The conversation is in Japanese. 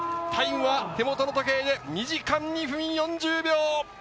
タイムは手元の時計で２時間２分４０秒！